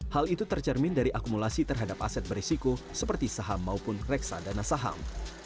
hal itu tercermin dari akumulasi terhadap aset berisiko seperti saham maupun reksadana saham